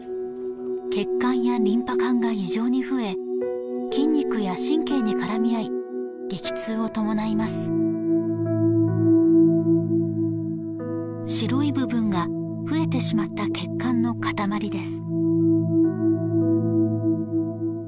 血管やリンパ管が異常に増え筋肉や神経に絡み合い激痛を伴います白い部分が増えてしまった血管の塊です